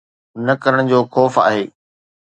نه ڪرڻ جو خوف آهي.